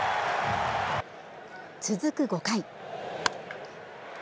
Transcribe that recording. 続く５回。